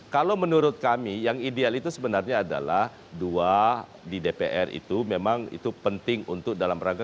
kalau menurut kami yang ideal itu sebenarnya adalah dua di dpr itu memang itu penting untuk dalam rangka